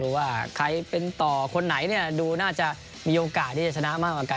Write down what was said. ว่าใครเป็นต่อคนไหนเนี่ยดูน่าจะมีโอกาสที่จะชนะมากกว่ากัน